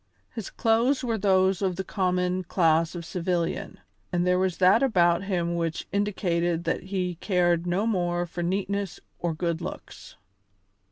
His clothes were those of the common class of civilian, and there was that about him which indicated that he cared no more for neatness or good looks.